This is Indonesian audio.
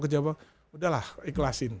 ke jawa udah lah ikhlasin